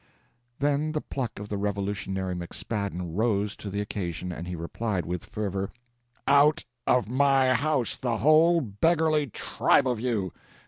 Then the pluck of the revolutionary McSpadden rose to the occasion, and he replied with fervor, "Out of my house, the whole beggarly tribe of you!